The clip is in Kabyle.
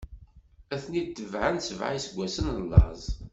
Ad ten-id-tebɛen sebɛa n iseggwasen n laẓ.